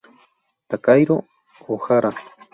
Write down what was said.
Takahiro Ohara